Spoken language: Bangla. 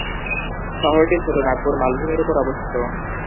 শহরটি ছোটনাগপুর মালভূমির উপর অবস্থিত।